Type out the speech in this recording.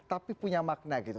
tapi punya makna gitu